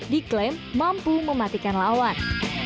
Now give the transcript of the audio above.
diklaim mampu mematikan lawan